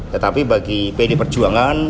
tetapi bagi pd perjuangan